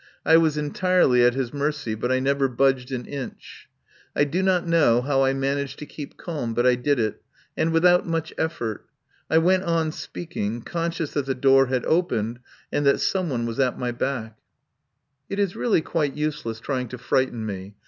I was entirely at his mercy, but I never budged an inch. I do not know how I managed to keep calm, but I did it, and without much effort. I went on speaking, conscious that the door had opened and that someone was at my back. 195 THE POWER HOUSE "It is really quite useless trying to frighten me.